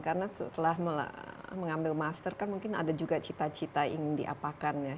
karena setelah mengambil master kan mungkin ada juga cita cita ingin diapakan ya